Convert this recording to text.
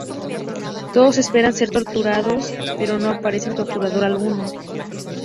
Todos esperan ser torturados, pero no aparece torturador alguno.